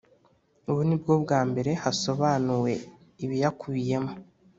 ubu ni bwo bwa mbere hasobanuwe ibiyakubiyemo